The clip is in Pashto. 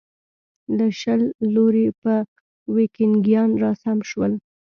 له شل لوري به ویکینګیان راسم شول.